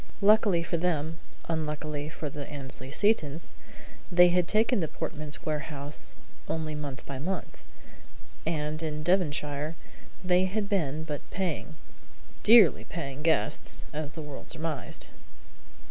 Luckily for them unluckily for the Annesley Setons they had taken the Portman Square house only month by month. And in Devonshire they had been but paying dearly paying! guests, as the world surmised.